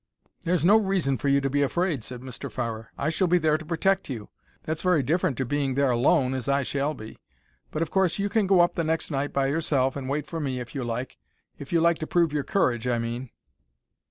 "There's no reason for you to be afraid," said Mr. Farrer. "I shall be there to protect you. That's very different to being there alone, as I shall be. But, of course, you can go up the next night by yourself, and wait for me, if you like. If you like to prove your courage, I mean."